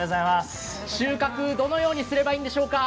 収穫、どのようにすればいいんでしょうか？